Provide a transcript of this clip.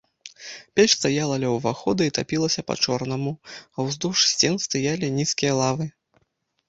Печ стаяла ля ўвахода і тапілася па-чорнаму, а ўздоўж сцен стаялі нізкія лавы.